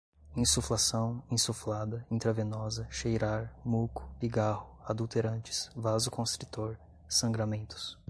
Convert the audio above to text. insuflação, insuflada, intravenosa, cheirar, muco, pigarro, adulterantes, vasoconstritor, sangramentos